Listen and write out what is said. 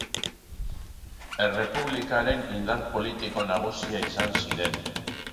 Errepublikaren indar politiko nagusia izan ziren.